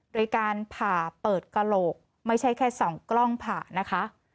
โดยการผ่าเปิดกระโหลกไม่ใช่แค่ส่องกล้องผ่านะคะ